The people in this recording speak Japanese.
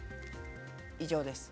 以上です。